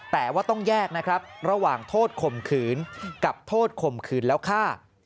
แต่ว่าต้องแยกนะครับระหว่างโทษข่มขืนกับโทษข่มขืนแล้วฆ่า